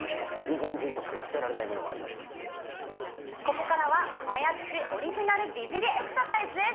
ここからはマヤっちオリジナル美尻エクササイズです